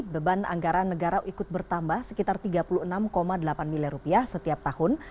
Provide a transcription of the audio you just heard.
beban anggaran negara ikut bertambah sekitar tiga puluh enam delapan miliar rupiah setiap tahun